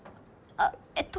あっえっと